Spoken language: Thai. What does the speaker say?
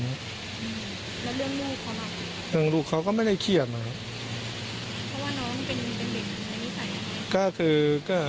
แล้วเรื่องลูกอะไรเรื่องลูกเขาก็ไม่ได้เครียดนะครับเพราะว่าน้องเป็นเด็กในนิสัยก็คือก็